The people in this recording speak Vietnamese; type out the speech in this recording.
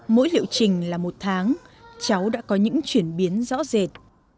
mỗi liệu trình là một tháng cháu đã có những chuyển biến rõ rệt